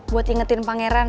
buat ingetin pangeran